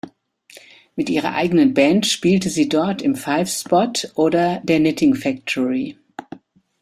Mit ihrer eigenen Band spielte sie dort im Five Spot oder der Knitting Factory.